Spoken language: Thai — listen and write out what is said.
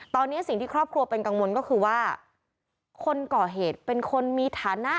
ตอนนี้สิ่งที่ครอบครัวเป็นกังวลก็คือว่าคนก่อเหตุเป็นคนมีฐานะ